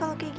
ya itu dong